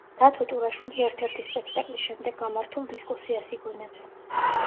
დათო ტურაშვილი ერთ-ერთი სპექტაკლის შემდეგ გამართულ დისკუსიას იგონებს.